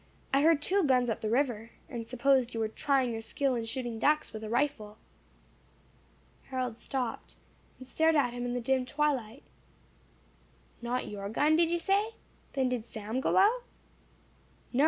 I heard two guns up the river, and supposed you were trying your skill in shooting ducks with a rifle." Harold stopped, and stared at him in the dim twilight. "Not your gun, did you say? Then did Sam go out?" "No.